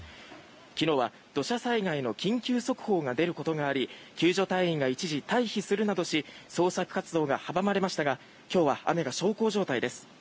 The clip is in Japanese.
昨日は土砂災害の緊急速報が出ることもあり隊員が一時避難することもあり捜索活動が阻まれましたが今日は雨が小康状態です。